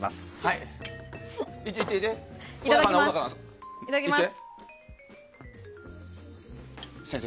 いただきます。